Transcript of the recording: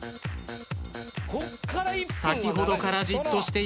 先ほどからじっとしていられない。